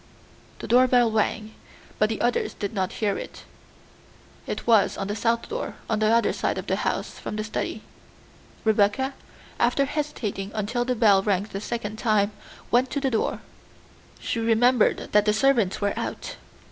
The doorbell rang, but the others did not hear it; it was on the south door on the other side of the house from the study. Rebecca, after hesitating until the bell rang the second time, went to the door; she remembered that the servant was out.